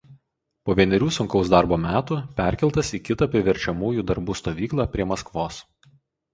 Po vienerių sunkaus darbo metų perkeltas į kitą priverčiamųjų darbų stovyklą prie Maskvos.